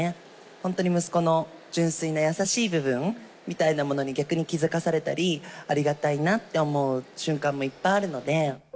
本当に息子の純粋な優しい部分みたいなものに逆に気付かされたり、ありがたいなって思う瞬間もいっぱいあるので。